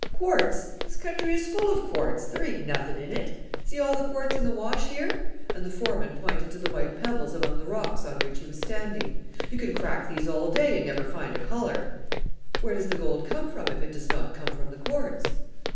"Quartz! this country is full of quartz. There ain't nothing in it; see all the quartz in the wash here?" and the foreman pointed to the white pebbles among the rocks on which he was standing. "You can crack these all day and never find a colour." "Where does the gold come from if it does not come from the quartz?"